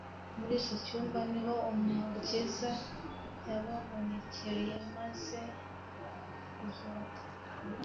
Muri iki cyumba ni ho Umukiza yababonekereye amaze kuzuka.